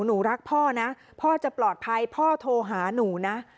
หนูรักพ่อนะพ่อจะปลอดภัยพ่อโทรหาหนูนะ